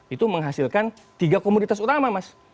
itu menghasilkan tiga komoditas utama mas